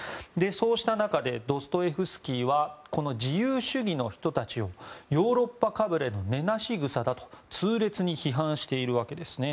そうした中ドストエフスキーはこの自由主義の人たちをヨーロッパかぶれの根無し草だと痛烈に批判しているわけですね。